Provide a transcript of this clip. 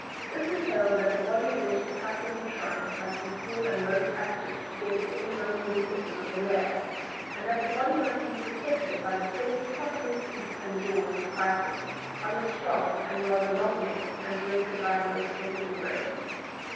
This entailed that the body in which the pluck was enshrined must be small and most active, to get at the innermost recesses of the lair, and that the body must be protected by the best possible teeth and jaws for fighting, on a strong and rather long neck and directed by a most capable brain.